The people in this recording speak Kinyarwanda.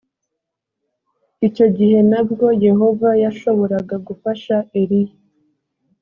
icyo gihe na bwo yehova yashoboraga gufasha eliya